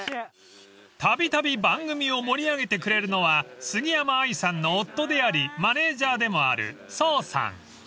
［たびたび番組を盛り上げてくれるのは杉山愛さんの夫でありマネジャーでもある走さん］